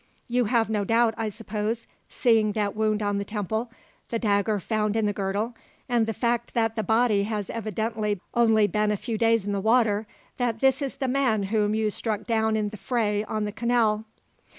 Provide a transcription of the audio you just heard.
"You have no doubt, I suppose, seeing that wound on the temple, the dagger found in the girdle, and the fact that the body has evidently only been a few days in the water, that this is the man whom you struck down in the fray on the canal?"